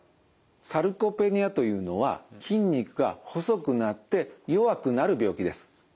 サルコペニアというのは筋肉が細くなって弱くなる病気です。